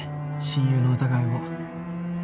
親友の疑いを。